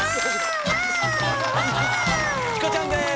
チコちゃんです。